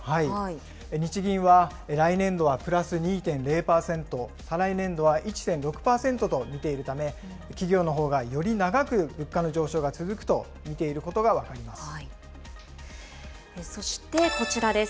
日銀は来年度はプラス２．０％、再来年度は１．６％と見ているため、企業のほうがより長く物価の上昇が続くと見ていることがそしてこちらです。